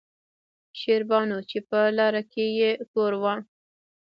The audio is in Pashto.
شېربانو چې پۀ لاره کښې يې کور وۀ